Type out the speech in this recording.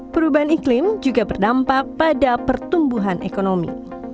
perubahan iklim juga berdampak pada pertumbuhan ekonomi